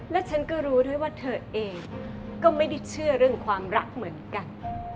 และฉันก็รู้ด้วยว่าเธอเองก็ไม่ได้เชื่อเรื่องความรักเหมือนกัน